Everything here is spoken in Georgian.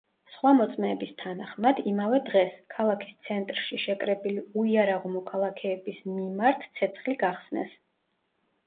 სხვა მოწმეების თანახმად, იმავე დღეს, ქალაქის ცენტრში შეკრებილი უიარაღო მოქალაქეების მიმართ ცეცხლი გახსნეს.